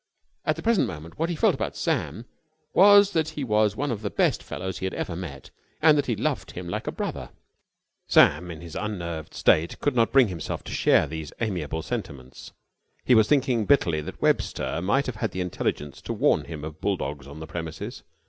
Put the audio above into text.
At the present moment what he felt about Sam was that he was one of the best fellows he had ever met and that he loved him like a brother. Sam, in his unnerved state, could not bring himself to share these amiable sentiments. He was thinking bitterly that Webster might have had the intelligence to warn him of bulldogs on the premises.